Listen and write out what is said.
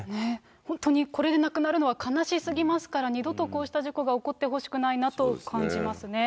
本当にこれで亡くなるのは、悲しすぎますから、二度とこうした事故が起こってほしくないなと感じますね。